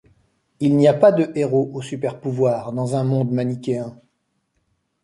Il n'y a pas de héros aux super-pouvoirs dans un monde manichéen.